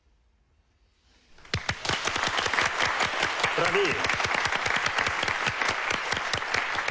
ブラヴィ！